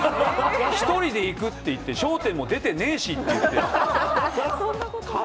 １人でいくって言って、笑点も出てねえしっていって。